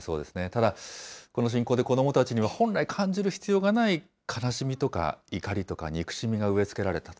ただ、この侵攻で子どもたちには本来感じる必要がない悲しみとか、怒りとか、憎しみが植えつけられた。